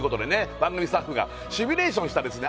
番組スタッフがシミュレーションしたですね